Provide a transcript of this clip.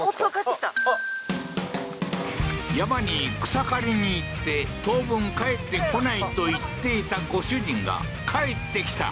山に草刈りに行って当分帰ってこないと言っていたご主人が帰ってきた。